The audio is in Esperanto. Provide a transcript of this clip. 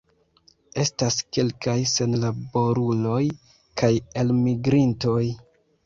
Estas kelkaj senlaboruloj kaj elmigrintoj.